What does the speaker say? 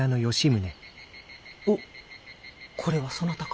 おこれはそなたか。